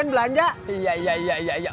tidak pilih siap kasih